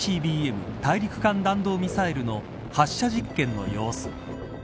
大陸間弾道ミサイルの発射実験の様子。